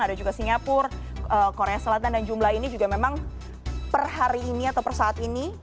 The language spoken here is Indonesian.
ada juga singapura korea selatan dan jumlah ini juga memang per hari ini atau per saat ini